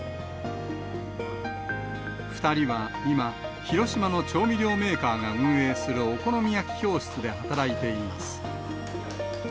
２人は今、広島の調味料メーカーが運営するお好み焼き教室で働いています。